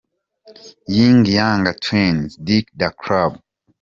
Ying Yang Twins, "Deck da Club".